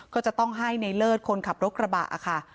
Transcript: ก็จะต้องให้ในเลิศคนขับรถกระบะค่ะ